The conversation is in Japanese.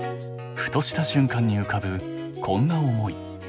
ふとした瞬間に浮かぶこんな思い。